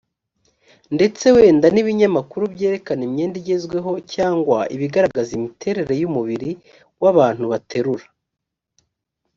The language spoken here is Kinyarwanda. ndetse wenda n ibinyamakuru byerekana imyenda igezweho cyangwa ibigaragaza imiterere y umubiri wabantu baterura